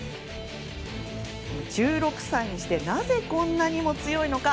１６歳にしてなぜ、こんなにも強いのか。